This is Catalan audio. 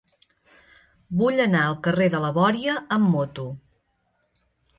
Vull anar al carrer de la Bòria amb moto.